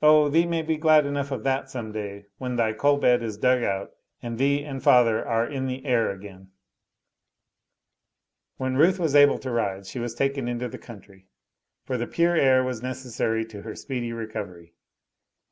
"Oh, thee may be glad enough of that some day, when thy coal bed is dug out and thee and father are in the air again." When Ruth was able to ride she was taken into the country, for the pure air was necessary to her speedy recovery.